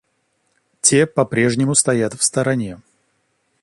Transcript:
Те по-прежнему стоят в стороне.